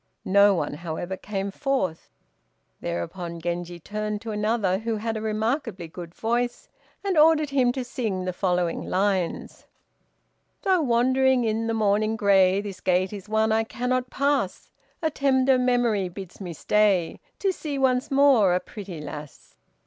No one, however, came forth. Thereupon Genji turned to another, who had a remarkably good voice, and ordered him to sing the following lines: "Though wandering in the morning gray, This gate is one I cannot pass, A tender memory bids me stay To see once more a pretty lass."